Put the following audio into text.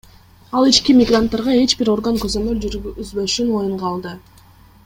Ал ички мигранттарга эч бир орган көзөмөл жүргүзбөшүн моюнга алды.